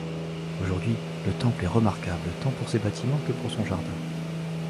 Aujourd'hui, le temple est remarquable tant pour ses bâtiments que pour son jardin.